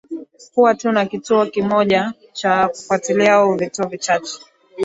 kuwa tu na kituo kimoja cha kufuatilia au vituo vichache